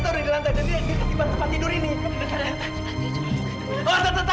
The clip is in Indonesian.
tidur tidur tidur